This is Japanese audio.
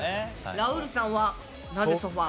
ラウールさんはなんでソファを？